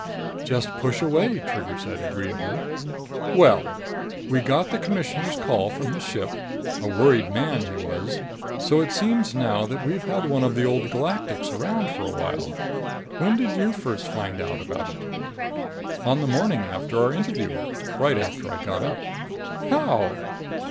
"Just push away," Trigger said agreeably. "Well, we got the Commissioner's call from his ship. A worried man he was. So it seems now that we've had one of the Old Galactics around for a while. When did you first find out about it?" "On the morning after our interview. Right after I got up." "How?"